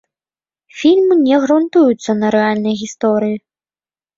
Фільм не грунтуецца на рэальнай гісторыі.